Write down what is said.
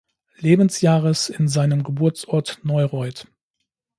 Lebensjahres in seinem Geburtsort Neureut.